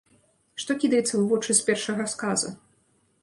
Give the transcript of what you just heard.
Што кідаецца ў вочы з першага сказа?